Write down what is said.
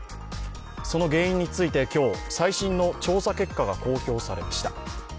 その原因について今日、最新の調査結果が公表されました。